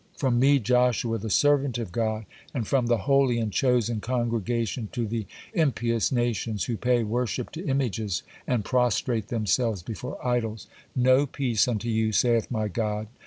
From me, Joshua, the servant of God, and from the holy and chosen congregation to the impious nations, who pay worship to images, and prostrate themselves before idols: No peace unto you, saith my God!